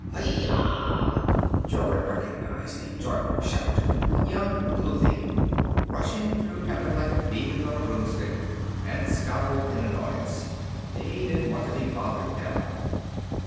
"Hai ah!" Jorun recognized the joyful shout of young Cluthe, rushing through heaven like a demon on a broomstick, and scowled in annoyance. He didn't want to be bothered now.